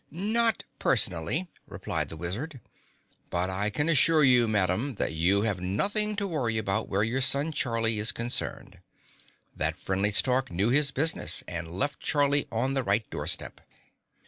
"Not personally," replied the Wizard. "But I can assure you, Madame, that you have nothing to worry about where your son Charlie is concerned. That friendly stork knew his business and left Charlie on the right doorstep."